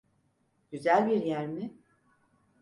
Güzel bir yer mi?